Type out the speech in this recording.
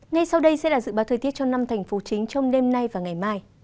ngay sau đây sẽ là dự báo thời tiết cho năm thành phố chính trong đêm nay và ngày mai